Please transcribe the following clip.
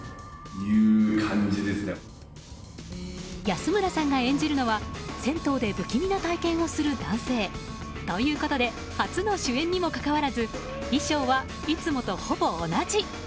安村さんが演じるのは銭湯で不気味な体験をする男性。ということで初の主演にもかかわらず衣装は、いつもとほぼ同じ。